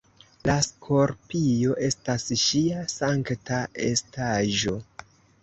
La skorpio estas ŝia sankta estaĵo.